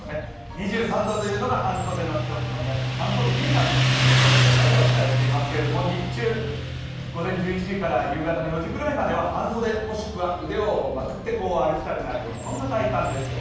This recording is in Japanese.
２３度というのが半袖の１つの目安、半袖兄さんと覚えてくださいとお伝えしていますが日中、午前１１時から夕方の４時ぐらいまではもしくは腕をまくって歩きたくなるような体感ですよ。